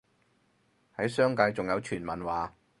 喺商界仲有傳聞話